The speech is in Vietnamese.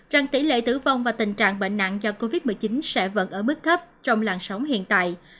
rằng tỷ lệ tử vong và tình trạng bệnh nặng do covid một mươi chín sẽ vẫn ở mức thấp trong làn sóng hiện tại